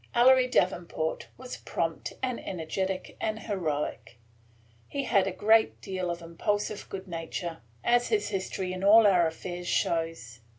Ellery Davenport was prompt and energetic and heroic; he had a great deal of impulsive good nature, as his history in all our affairs shows.